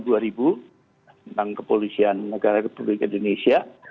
tentang kepolisian negara republik indonesia